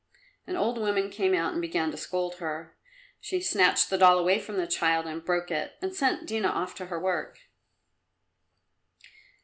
An old woman came out and began to scold her. She snatched the doll away from the child and broke it, and sent Dina off to her work.